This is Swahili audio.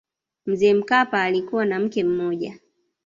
mzee mkapa alikuwa na mke mmoja